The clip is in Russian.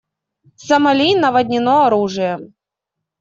Сомали наводнено оружием.